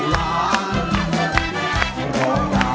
และเกรงที่๕มูลค่า๖๐๐๐๐บาท